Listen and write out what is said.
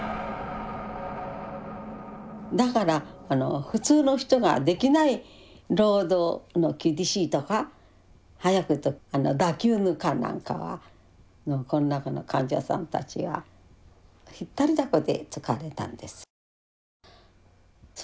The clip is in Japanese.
だから普通の人ができない労働の厳しいとか早く言うとバキュームカーなんかはこの中の患者さんたちは引っ張りだこで使われたんですよ。